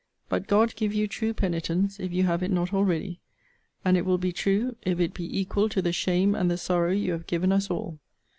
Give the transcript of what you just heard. But God give you true penitence, if you have it not already! and it will be true, if it be equal to the shame and the sorrow you have given us all.